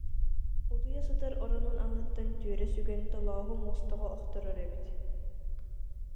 Утуйа сытар оронун анныттан түөрэ сүгэн Толооһу муостаҕа охторор эбит